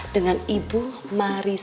dengan ibu mariana